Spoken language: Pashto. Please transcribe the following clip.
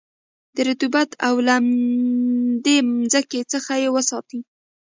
د رطوبت او لمدې مځکې څخه یې وساتی.